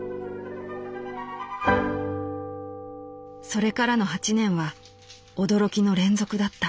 「それからの八年は驚きの連続だった。